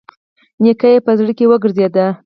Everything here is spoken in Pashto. نيکه يې په زړه کې وګرځېد.